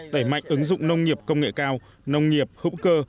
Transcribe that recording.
đẩy mạnh ứng dụng nông nghiệp công nghệ cao nông nghiệp hữu cơ